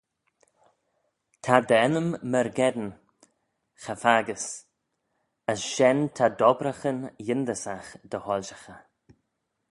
Ta dt'ennym myrgeddin cha faggys: as shen ta dt'obbraghyn yindyssagh dy hoilshaghey.